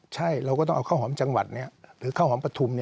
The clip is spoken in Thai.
ใช่เราก็ต้องเอาข้าวหอมจังหวัดหรือข้าวหอมปฐุม